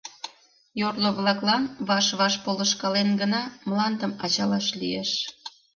Йорло-влаклан, ваш-ваш полышкален гына, мландым ачалаш лиеш.